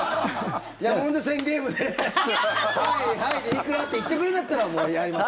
山手線ゲームでハイ、ハイで、いくら！って言ってくれるんだったらもうやります。